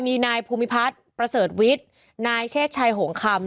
มีนายภูมิพัฒน์ประเสริฐวิทย์นายเชศชัยหงคำ